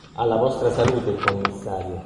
Alla vostra salute, commissario!